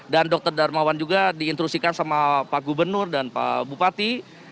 dan dr dharma juga diinstruksikan sama pak gubernur dan pak bupati